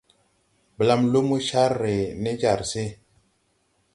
Blam lumo car re ne jar se.